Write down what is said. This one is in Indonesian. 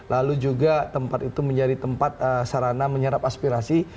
lalu juga tempat itu menjadi tempat sarana menyerap aspirasi